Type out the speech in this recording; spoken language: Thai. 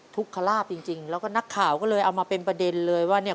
ทุกขลาบจริงจริงแล้วก็นักข่าวก็เลยเอามาเป็นประเด็นเลยว่าเนี่ย